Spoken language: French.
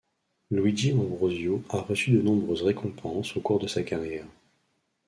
Luigi Ambrosio a reçu de nombreuses récompenses au cours de sa carrière.